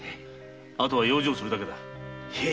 後は養生するだけだ。